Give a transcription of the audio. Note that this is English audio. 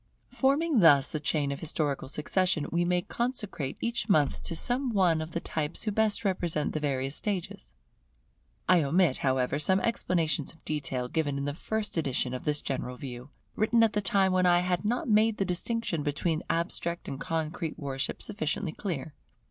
Forming thus the chain of historical succession, we may consecrate each month to some one of the types who best represent the various stages. I omit, however, some explanations of detail given in the first edition of this General View, written at the time when I had not made the distinction between the abstract and concrete worship sufficiently clear.